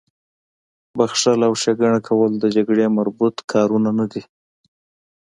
بخښل او ښېګڼه کول د جګړې مربوط کارونه نه دي